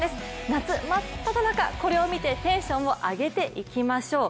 夏真っただ中、これを見てテンションを上げていきましょう。